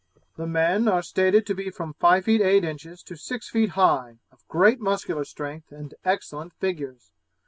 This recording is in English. The men are stated to be from five feet eight inches to six feet high, of great muscular strength and excellent figures.